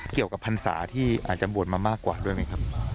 กับพรรษาที่อาจจะบวชมามากกว่าด้วยไหมครับ